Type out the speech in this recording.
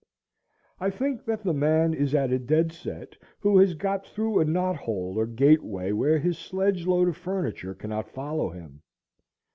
I think that the man is at a dead set who has got through a knot hole or gateway where his sledge load of furniture cannot follow him.